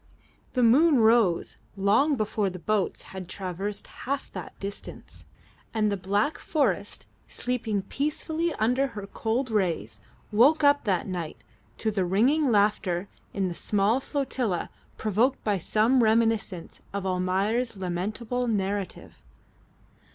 The moon rose long before the boats had traversed half that distance, and the black forest sleeping peacefully under her cold rays woke up that night to the ringing laughter in the small flotilla provoked by some reminiscence of Almayer's lamentable narrative.